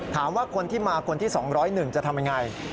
ถามว่าคนที่มาคนที่๒๐๑จะทำยังไง